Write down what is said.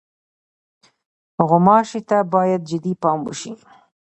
غوماشې ته باید جدي پام وشي.